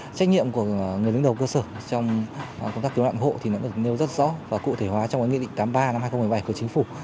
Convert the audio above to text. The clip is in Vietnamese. trách nhiệm của người đứng đầu cơ sở trong công tác cứu nạn hộ thì đã được nêu rất rõ và cụ thể hóa trong nghị định tám mươi ba năm hai nghìn một mươi bảy của chính phủ